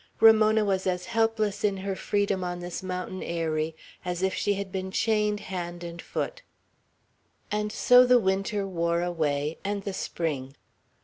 Ramona was as helpless in her freedom on this mountain eyrie as if she had been chained hand and foot. And so the winter wore away, and the spring.